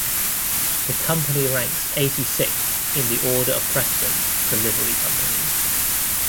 The Company ranks eighty-sixth in the order of precedence for Livery Companies.